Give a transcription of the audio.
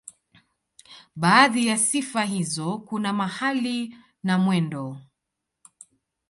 Baadhi ya sifa hizo kuna mahali na mwendo.